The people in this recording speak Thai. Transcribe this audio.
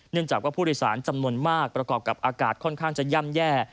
จากว่าผู้โดยสารจำนวนมากประกอบกับอากาศค่อนข้างจะย่ำแย่